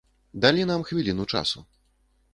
Далі нам хвіліну часу.